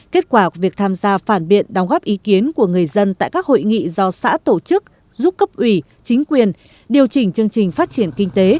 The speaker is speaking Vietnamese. kết quả của việc tham gia phản biện đóng góp ý kiến của người dân tại các hội nghị do xã tổ chức giúp cấp ủy chính quyền điều chỉnh chương trình phát triển kinh tế